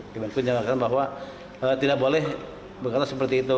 cabin crew dianggarkan bahwa tidak boleh berkata seperti itu